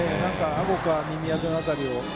あごか耳当ての辺りか。